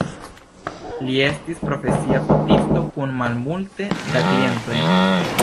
Li estis profesia fotisto kun malmulte da klientoj.